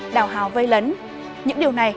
đào hào vây lấn những điều này